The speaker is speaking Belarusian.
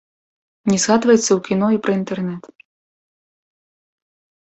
Не згадваецца ў кіно і пра інтэрнэт.